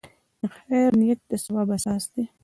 د خیر نیت د ثواب اساس دی.